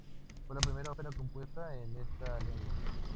Fue la primera ópera compuesta en esta lengua.